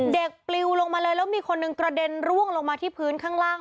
ปลิวลงมาเลยแล้วมีคนหนึ่งกระเด็นร่วงลงมาที่พื้นข้างล่าง